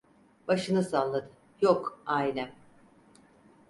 Başını salladı: "Yok… Ailem!"